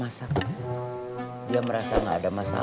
mau belanja sayur sayuran buat belajar masak